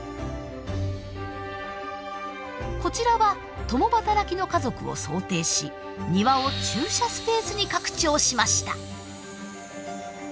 こちらは共働きの家族を想定し庭を駐車スペースに拡張しました。